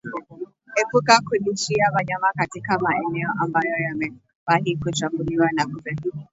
Epuka kulishia wanyama katika maeneo ambayo yamewahi kushambuliwa na kupe